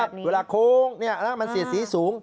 ถูกไหมครับเวลาโค้งนี่มันเสียสีสูง